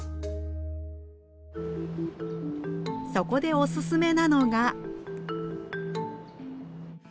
そこでおすすめなのが。